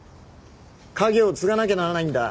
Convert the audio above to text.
家業を継がなきゃならないんだ。